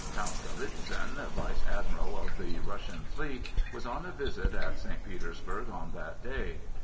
Count Galitzin, vice admiral of the Russian fleet, was on a visit at St. Petersburg on that day.